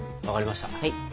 分かりました